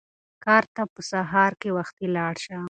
کار ته په سهار کې وختي لاړ شه.